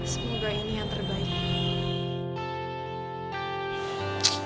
semoga ini yang terbaik